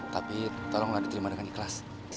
tapi tolong gak diterima dengan ikhlas